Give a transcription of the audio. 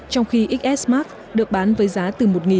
trong khi iphone xs max có giá khởi điểm chín trăm chín mươi chín usd